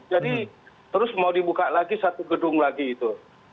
jadi terus mau dibuka lagi satu gedung lagi itu